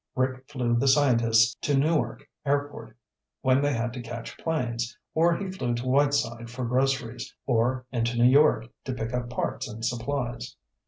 Rick flew the scientists to Newark Airport when they had to catch planes, or he flew to Whiteside for groceries, or into New York to pick up parts and supplies.